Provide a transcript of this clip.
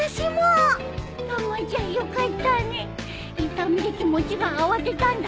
痛みで気持ちが慌てたんだ。